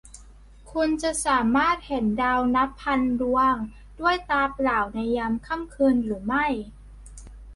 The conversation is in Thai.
คุณจะสามารถเห็นดาวนับพันดวงด้วยตาเปล่าในยามค่ำคืนหรือไม่ ?